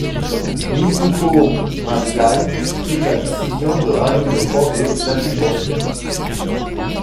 Mikloukho-Maklaï prit la décision de rallier le port de Vladivostok.